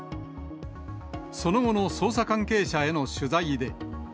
その後の捜査関係者への取材で。